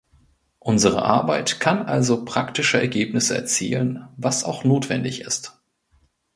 Unsere Arbeit kann also praktische Ergebnisse erzielen, was auch notwendig ist.